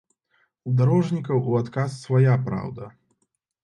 У дарожнікаў у адказ свая праўда.